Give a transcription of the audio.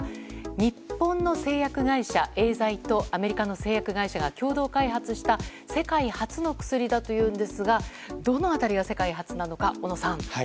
日本の製薬会社エーザイとアメリカの製薬会社が共同開発した世界初の薬だというんですがどの辺りが世界初なのか小野さん。